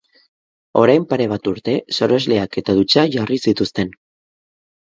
Orain pare bat urte, sorosleak eta dutxak jarri zituzten.